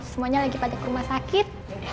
semuanya lagi pada ke rumah sakit